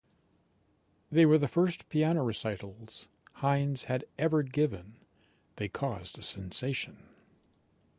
They were the first piano recitals Hines had ever given; they caused a sensation.